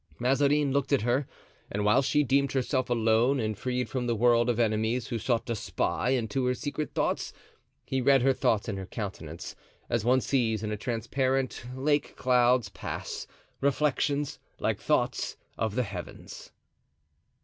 Mazarin looked at her, and whilst she deemed herself alone and freed from the world of enemies who sought to spy into her secret thoughts, he read her thoughts in her countenance, as one sees in a transparent lake clouds pass—reflections, like thoughts, of the heavens.